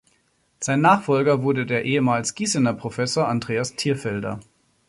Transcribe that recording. Sein Nachfolger wurde der ehemals Gießener Professor Andreas Thierfelder.